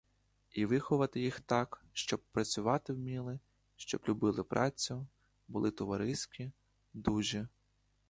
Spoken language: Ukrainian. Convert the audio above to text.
І виховати їх так, щоб працювати вміли, щоб любили працю, були товариські, дужі.